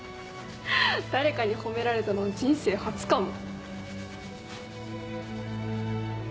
誰かに褒められたの人生初かも。